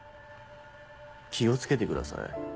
気を付けてください。